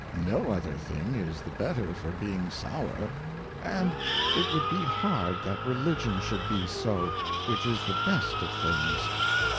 No other thing is the better for being Sowre ; and it would be hard that Religion should be so, which is the best of things.